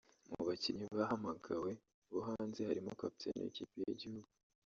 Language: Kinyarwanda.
Mu bakinnyi bahamagawe bo hanze harimo kapiteni w’ikipe y’igihugu